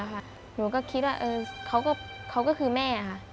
หนูก็คิดว่าเขาก็คือแม่ค่ะ